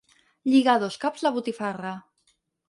Lligar a dos caps la botifarra.